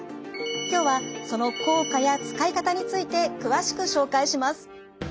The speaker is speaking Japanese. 今日はその効果や使い方について詳しく紹介します。